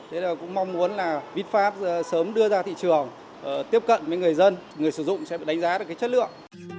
thế là cũng mong muốn là vinfast sớm đưa ra thị trường tiếp cận với người dân người sử dụng sẽ đánh giá được cái chất lượng